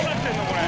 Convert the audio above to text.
これ。